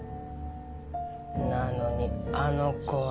なのにあの子は。